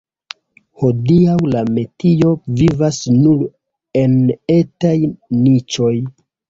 Hodiaŭ la metio vivas nur en etaj niĉoj.